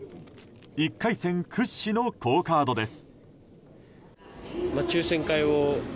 １回戦屈指の好カードです。